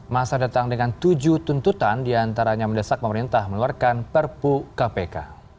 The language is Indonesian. masa datang dengan tujuh tuntutan diantaranya mendesak pemerintah meluarkan perpu kpk